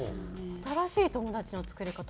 新しい友達の作り方